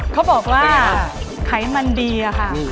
เขาบอกว่าไขมันดีอะค่ะ